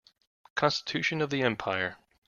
Constitution of the empire.